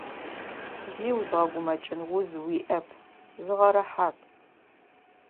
Зи узгъэгумэкӏын уз уиӏэп, зыгъэрэхьат.